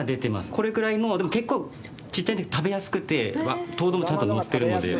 これくらいの、でも結構ちっちゃくて食べやすくて、糖度もちゃんと乗っているので。